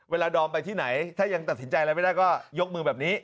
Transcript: ดอมไปที่ไหนถ้ายังตัดสินใจอะไรไม่ได้ก็ยกมือแบบนี้